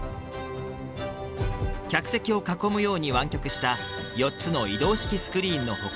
客席を囲むように湾曲した４つの移動式スクリーンの他